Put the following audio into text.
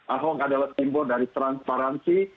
ahok adalah simbol dari transparansi